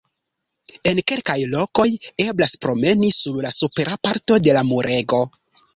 En kelkaj lokoj eblas promeni sur la supera parto de la murego.